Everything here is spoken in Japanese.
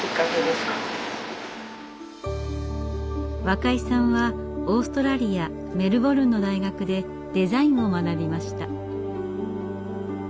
若井さんはオーストラリア・メルボルンの大学でデザインを学びました。